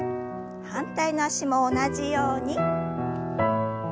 反対の脚も同じように。